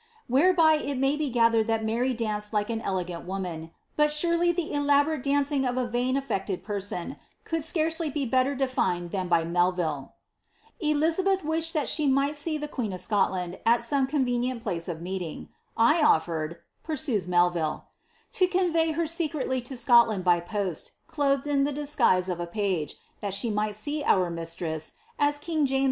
" Whereby it may be gathered that Mary danced like an elegant woman ; but surely the elaborate dancing of a vain affected person could scarcely be better defined than by Melville. Elizabeth wished that she might see the queen of Scotland at some convenient place of meeting. I ofiered," pursues Melville, ^^ to convey Her secretly to Scotland by post, clothed in the disguise of a page, that she might see our mistress, as king James V.